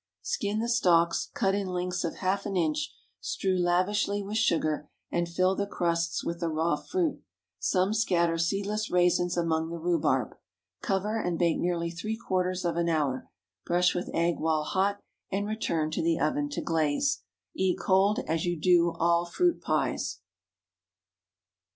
_) Skin the stalks, cut in lengths of half an inch; strew lavishly with sugar, and fill the crusts with the raw fruit. Some scatter seedless raisins among the rhubarb. Cover, and bake nearly three quarters of an hour. Brush with egg while hot, and return to the oven to glaze. Eat cold, as you do all fruit pies.